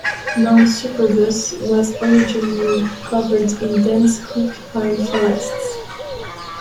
Mount Superbus was originally covered in dense hoop pine forests.